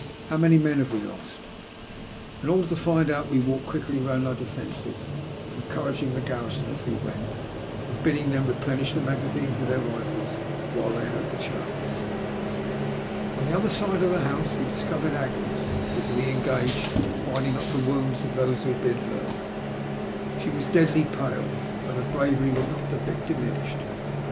How many men have we lost ?" In order to find out, we walked quickly round our defences, encouraging the garrison as we went, and bidding them replenish the magazines of their rifles while they had the chance. On the other side of the house we discovered Agnes» " He leapt into the air." A TEBBIBLE SUBFBISB. 266 buBily engaged binding up the wounds of those who had been hurt. She was deadly pale, but her bravery was not a bit diminished.